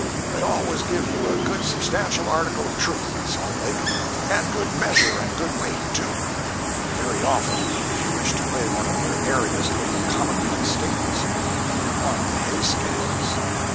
They always give you a good substantial article of truth in Salt Lake, and good measure and good weight, too. [Very often, if you wished to weigh one of their airiest little commonplace statements you would want the hay scales.